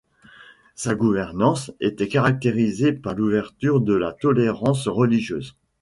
Sa gouvernance était caractérisée par l'ouverture et la tolérance religieuse.